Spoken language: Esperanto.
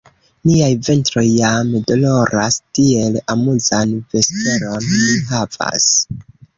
Niaj ventroj jam doloras; tiel amuzan vesperon ni havas!